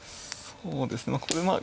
そうですねこれもある。